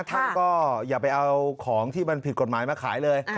ท่านก็อย่าไปเอาของที่มันผิดกฎหมายมาขายเลย